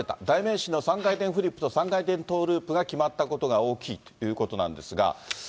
代名詞の３回転フリップと３回転トーループが決まったことが大きいということなんですが。